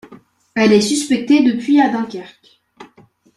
Elle est suspectée depuis à Dunkerque.